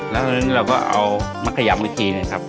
แล้วเราก็เอามะขยำอีกทีหนึ่งครับ